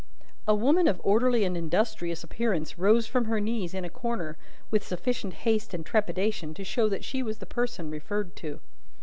A woman of orderly and industrious appearance rose from her knees in a corner, with sufficient haste and trepidation to show that she was the person referred to.